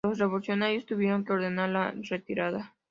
Los revolucionarios tuvieron que ordenar la retirada.